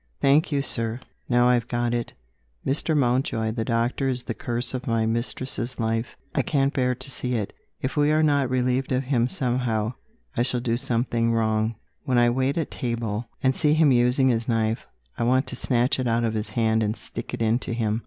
"Thank you, sir. Now I've got it. Mr. Mountjoy, the doctor is the curse of my mistress's life. I can't bear to see it. If we are not relieved of him somehow, I shall do something wrong. When I wait at table, and see him using his knife, I want to snatch it out of his hand, and stick it into him.